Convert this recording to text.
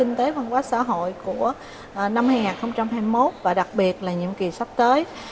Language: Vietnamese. kinh tế văn hóa xã hội của năm hai nghìn hai mươi một và đặc biệt là nhiệm kỳ sắp tới